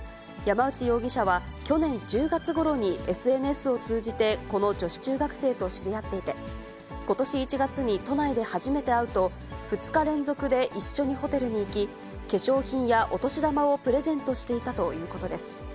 山内容疑者は、去年１０月ごろにＳＮＳを通じて、この女子中学生と知り合っていて、ことし１月に都内で初めて会うと、２日連続で一緒にホテルに行き、化粧品やお年玉をプレゼントしていたということです。